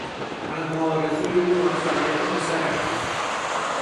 تنها آرزوی او موفقیت پسرش بود.